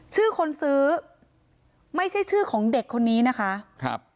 ชื่อคนซื้อไม่ใช่ชื่อของเด็กคนนี้นะคะครับ